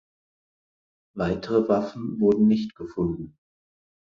Weitere Waffen wurden nicht gefunden.